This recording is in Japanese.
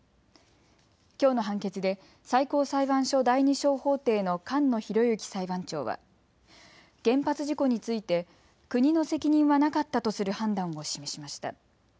きょうの判決で最高裁判所第２小法廷の菅野博之裁判長は原発事故について国の責任はなかったとする判断を示しました。